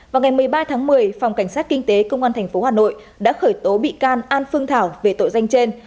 vào ngày một mươi ba tháng một mươi phòng cảnh sát kinh tế công an tp hà nội đã khởi tố bị can an phương thảo về tội danh trên